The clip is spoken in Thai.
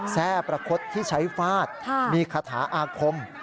แทร่ประคดที่ใช้ฟาดมีคาถาอาคม